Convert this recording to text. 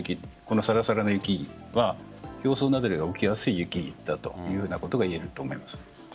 サラサラの雪は表層雪崩が起きやすい雪だというふうなことが言えると思います。